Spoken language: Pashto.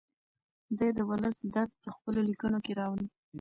دی د ولس درد په خپلو لیکنو کې راوړي.